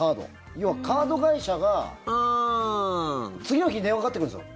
要は、カード会社が次の日に電話がかかってくるんですよ。